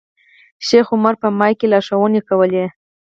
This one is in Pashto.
شیخ عمر په مایک کې لارښوونې کولې.